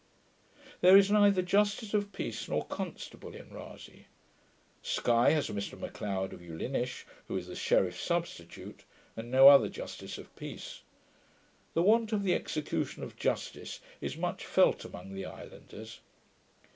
There is neither justice of peace, nor constable in Rasay. Sky has Mr M'Cleod of Ulinish, who is the sheriff substitute, and no other justice of peace. The want of the execution of justice is much felt among the islanders.